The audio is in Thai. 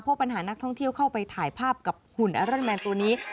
เพราะปัญหานักท่องเที่ยวเข้าไปถ่ายภาพกับหุ่นแอรอนแมนตัวนี้